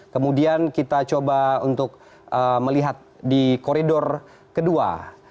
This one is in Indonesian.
kemudian kita coba untuk melihat di koridor kedua